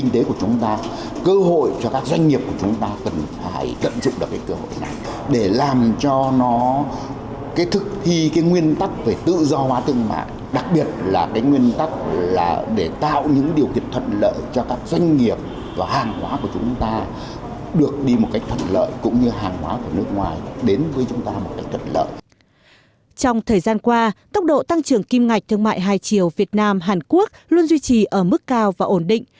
trong thời gian qua tốc độ tăng trưởng kim ngạch thương mại hai triệu việt nam hàn quốc luôn duy trì ở mức cao và ổn định